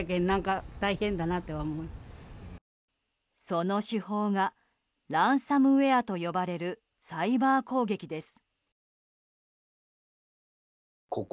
その手法がランサムウェアと呼ばれるサイバー攻撃です。